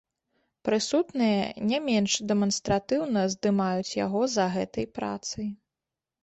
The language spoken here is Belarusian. Прысутныя не менш дэманстратыўна здымаюць яго за гэтай працай.